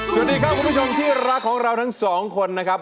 สวัสดีครับคุณผู้ชมที่รักของเราทั้งสองคนนะครับ